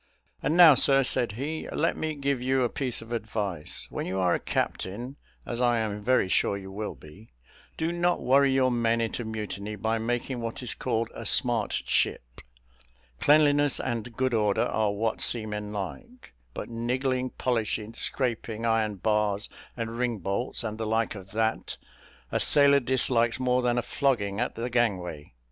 "And now, sir," said he, "let me give you a piece of advice. When you are a captain, as I am very sure you will be, do not worry your men into mutiny by making what is called a smart ship. Cleanliness and good order are what seamen like; but niggling, polishing, scraping iron bars, and ring bolts, and the like of that, a sailor dislikes more than a flogging at the gangway.